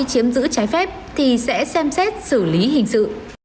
chiếm giữ trái phép thì sẽ xem xét xử lý hình sự